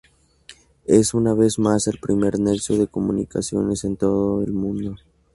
Es una vez más el primer nexo de comunicaciones en todo el mundo.